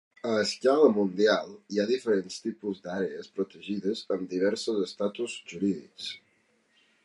A escala mundial, hi ha diferents tipus d'àrees protegides amb diversos estatus jurídics.